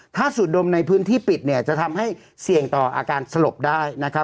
ถ้าสูดดมในพื้นที่ปิดเนี่ยจะทำให้เสี่ยงต่ออาการสลบได้นะครับ